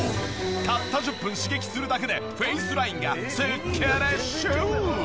たった１０分刺激するだけでフェイスラインがすっきりシュッ！